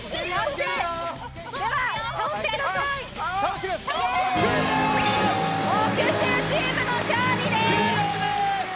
木１０チームの勝利です。